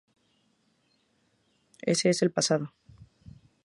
Ese es el pasado.